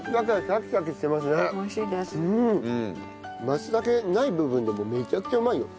松茸ない部分でもめちゃくちゃうまいよ。